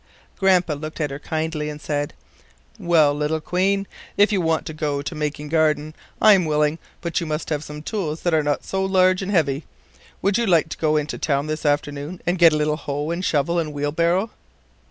Grandpa looked at her kindly and said: "Well, little queen, if you want to go to making garden I'm willing, but you must have some tools that are not so large and heavy. Would you like to go into town this afternoon and get a little hoe and shovel and wheelbarrow?"